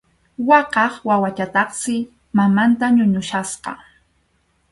Waqaq wawachataqsi mamanta ñuñuchkasqa.